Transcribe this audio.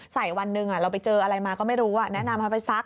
วันหนึ่งเราไปเจออะไรมาก็ไม่รู้แนะนำให้ไปซัก